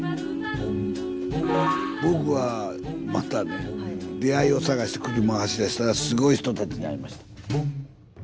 僕はまたね出会いを探して車走らせたらすごい人たちに会いました。